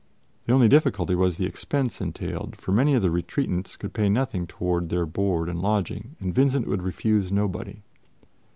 The only difficulty was the expense entailed, for many of the retreatants could pay nothing toward their board and lodging, and Vincent would refuse nobody.